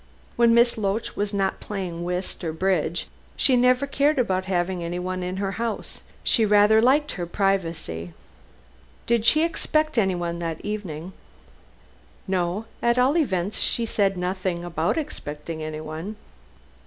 When Miss Loach was not playing whist or bridge she never cared about having anyone in her house. She was rather a misanthrope." "Did she expect anyone that evening?" "No. At all events, she said nothing about expecting anyone."